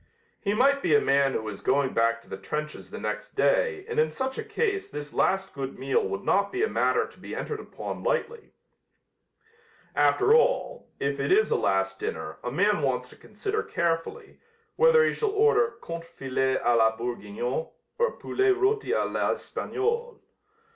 He might be a man who was going back to the trenches the next day and in such a case this last good meal would not be a matter to be entered upon lightly. After all, if it is a last dinner a man wants to consider carefully, whether he shall order contrefilet à la Bourguignon or poulet roti à l'Espagnol.